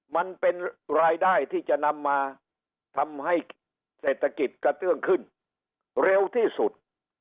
มันเป็นรายได้ที่จะนำมาทำให้เศรษฐกิจกระเตื้องขึ้นเร็วที่สุด